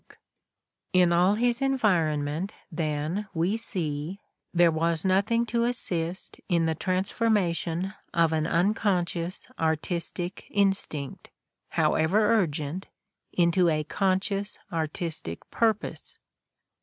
The Candidate for Life 39 In all his environment, then, we see, there was noth ing to assist in the transformation of an unconscious artistic instinct, however urgent, into a conscious art istic purpose.